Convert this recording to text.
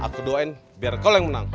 aku doain biar kalau yang menang